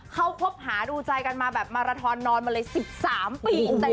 เขาคบหาดูใจกันมาแบบมาราทอนนอนมาเลย๑๓ปี